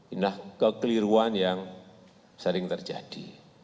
inilah kekeliruan yang sering terjadi